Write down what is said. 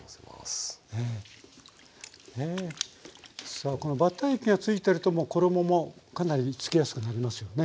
さあこのバッター液がついてるともう衣もかなりつきやすくなりますよね。